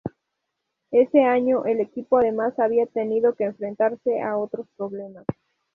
Ese año, el equipo además había tenido que enfrentarse a otros problemas.